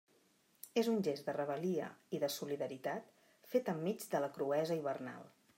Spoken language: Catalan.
És un gest de rebel·lia i de solidaritat fet enmig de la cruesa hivernal.